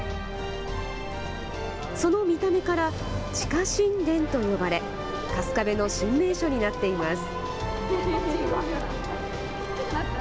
その見た目から地下神殿と呼ばれ春日部の新名所になっています。